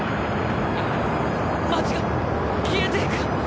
街が消えていく！